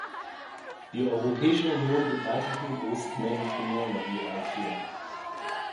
Die Europäische Union wird weiterhin große Mengen Primärenergie einführen.